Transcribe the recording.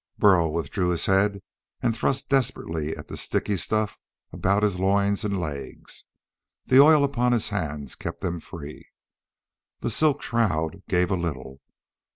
Burl withdrew his head and thrust desperately at the sticky stuff about his loins and legs. The oil upon his hands kept them free. The silk shroud gave a little.